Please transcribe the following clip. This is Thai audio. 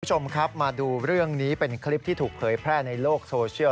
คุณผู้ชมครับมาดูเรื่องนี้เป็นคลิปที่ถูกเผยแพร่ในโลกโซเชียล